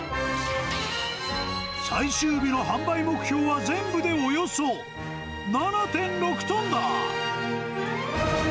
最終日の販売目標は、全部でおよそ７．６トンだ。